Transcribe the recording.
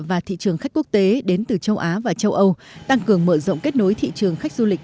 và thị trường khách quốc tế đến từ châu á và châu âu tăng cường mở rộng kết nối thị trường khách du lịch